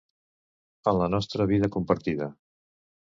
En la nostra vida compartida.